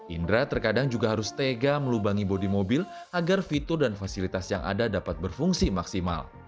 indra terkadang juga harus tega melubangi bodi mobil agar fitur dan fasilitas yang ada dapat berfungsi maksimal